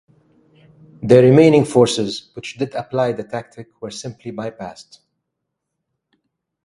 The remaining forces which did apply the tactic were simply bypassed.